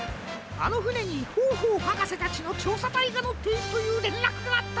あのふねにホーホーはかせたちのちょうさたいがのっているというれんらくがあった。